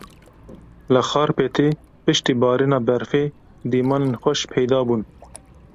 Li Xarpêtê piştî barîna berfê dîmenên xweş peyda bûn.